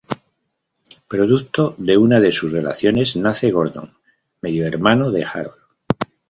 Producto de una de sus relaciones nace Gordon, medio hermano de Harold.